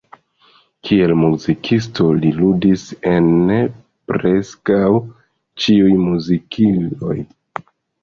Kiel muzikisto, li ludis en preskaŭ ĉiuj muzikiloj.